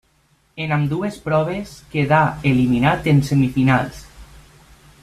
En ambdues proves quedà eliminat en semifinals.